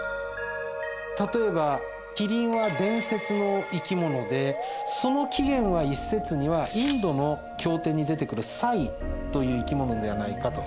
例えば麒麟は伝説の生き物でその起源は一説にはインドの経典に出てくるサイという生き物ではないかと。